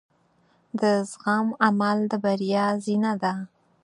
د زغم عمل د بریا زینه ده.